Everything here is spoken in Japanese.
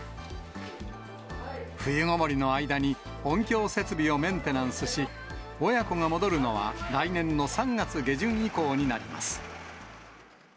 冬ごもりの間に、音響設備をメンテナンスし、親子が戻るのは来年の３月下旬以降になります。